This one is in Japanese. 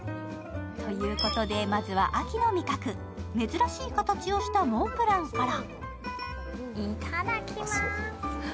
ということで、まずは秋の味覚、珍しい形をしたモンブランから。